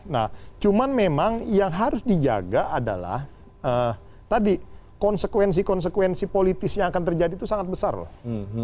nah cuman memang yang harus dijaga adalah tadi konsekuensi konsekuensi politis yang akan terjadi itu sangat besar loh